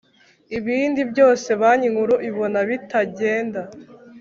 Ibindi byose Banki Nkuru ibona bitagenda